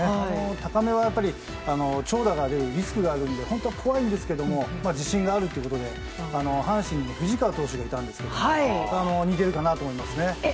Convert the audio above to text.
高めはやっぱり長打でリスクがあって本当怖いんですけど自信があるということで阪神に藤川投手がいたんですけど似てるかなと思います。